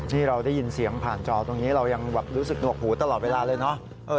นี่เราได้ยินเสียงผ่านจอตรงนี้เรายังแบบรู้สึกหนวกหูตลอดเวลาเลยเนอะ